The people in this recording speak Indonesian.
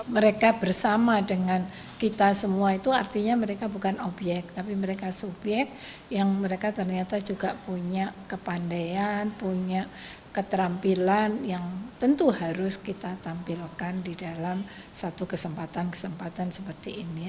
mereka bersama dengan kita semua itu artinya mereka bukan obyek tapi mereka subyek yang mereka ternyata juga punya kepandaian punya keterampilan yang tentu harus kita tampilkan di dalam satu kesempatan kesempatan seperti ini